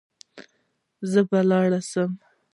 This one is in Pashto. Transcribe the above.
زه به لاړ سم.